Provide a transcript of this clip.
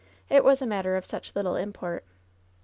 It was a matter of such little import.